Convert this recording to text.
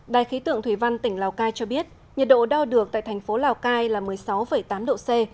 đài khí tượng thủy văn tỉnh lào cai cho biết nhiệt độ đo được tại thành phố lào cai là một mươi sáu tám độ c